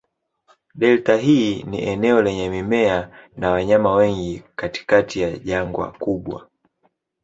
Delta hii ni eneo lenye mimea na wanyama wengi katikati ya jangwa kubwa.